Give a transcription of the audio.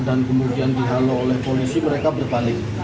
dan kemudian dihalo oleh polisi mereka berbalik